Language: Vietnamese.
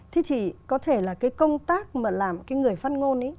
thế thì có thể là cái công tác mà làm cái người phát ngôn